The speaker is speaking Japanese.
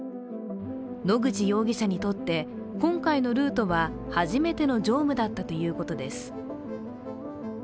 野口容疑者にとって今回のルートは初めての乗務だったということです。